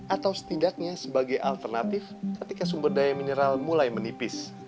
atau setidaknya sebagai alternatif ketika sumber daya mineral mulai menipis